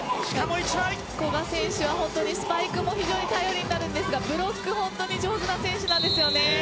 古賀選手はスパイクも頼りになるんですがブロックが本当に上手な選手なんですよね。